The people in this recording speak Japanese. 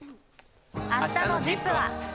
あしたのＺＩＰ！は。